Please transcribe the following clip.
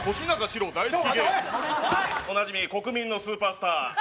おなじみ国民のスーパースター。